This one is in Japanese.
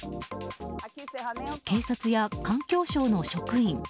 警察や環境省の職員。